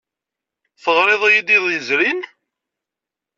Teɣriḍ-iyi-d iḍ yezrin?